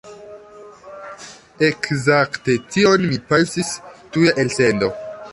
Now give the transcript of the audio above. Ekzakte tion mi pensis... tuja elsendo